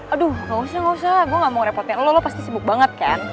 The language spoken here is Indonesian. aduh gak usah gak usah gue gak mau ngerepotin lo lo pasti sibuk banget kan